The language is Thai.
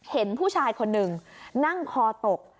เห็นผู้ชายคนหนึ่งนั่งคอตก